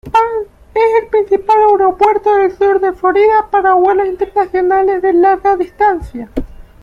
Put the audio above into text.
Es el principal aeropuerto del sur de Florida para vuelos internacionales de larga distancia.